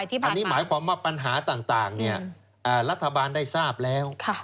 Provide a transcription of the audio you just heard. ถูกต้องครับอันนี้หมายความว่าปัญหาต่างรัฐบาลได้ทราบแล้ว